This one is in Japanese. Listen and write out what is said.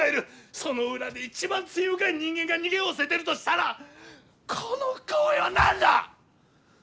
その裏で一番罪深い人間が逃げおおせているとしたらこの不公平は何だ！？